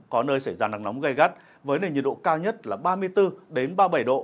có nơi xảy ra nắng nóng gây gắt với nền nhiệt độ cao nhất là ba mươi bốn ba mươi bảy độ